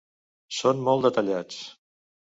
Són molt detallats.